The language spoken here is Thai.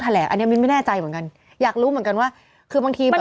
เดี๋ยวเนี่ยเขาจะไปผี